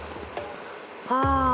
ああ。